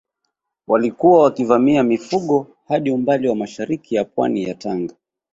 Walikuwa wakivamia mifugo hadi umbali wa mashariki ya pwani ya Tanga